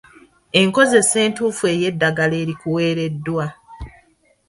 Enkozesa entuufu ey'eddagala erikuweereddwa.